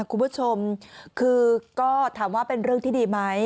คุณผู้ชมคือก็ถามว่าเป็นเรื่องที่ดีไหม